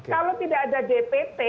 kalau tidak ada dp